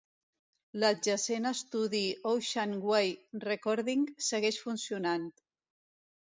L'adjacent estudi Ocean Way Recording segueix funcionant.